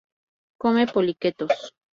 Come poliquetos.